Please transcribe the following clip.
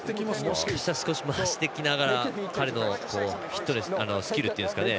もしかしたら少し走ってきながら彼のヒットのスキルっていうんですかね